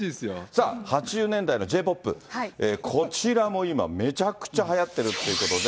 さあ、８０年代のＪ−ＰＯＰ、こちらも今、めちゃくちゃはやってるということで。